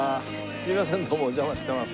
すいませんどうもお邪魔してます。